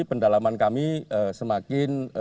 pendalaman kami semakin